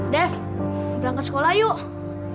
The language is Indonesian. dev berangkat sekolah yuk